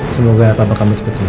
semoga papa kamu cepet cepet